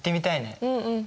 うんうん。